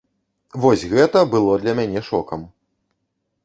Вось гэта было для мяне шокам!